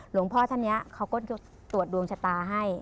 หลวงพ่อท่านนี้เขาก็จะตรวจดวงชะตาให้